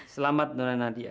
selamat dona nadia